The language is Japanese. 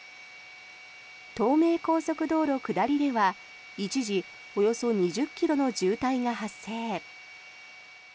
東名高速道路下りでは一時およそ２０ｋｍの渋滞が発生。